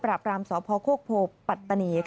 รามสพโคกโพปัตตานี